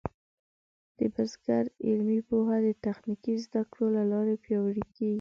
د بزګر علمي پوهه د تخنیکي زده کړو له لارې پیاوړې کېږي.